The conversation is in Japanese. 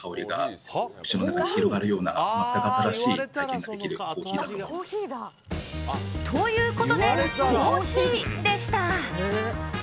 正解は。ということで、コーヒーでした。